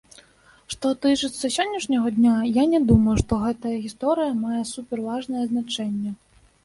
Што тычыцца сённяшняга дня, я не думаю, што гэтая гісторыя мае суперважнае значэнне.